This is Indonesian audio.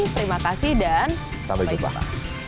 terima kasih dan sampai jumpa